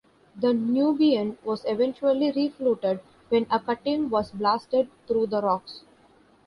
The "Nubian" was eventually refloated when a cutting was blasted through the rocks.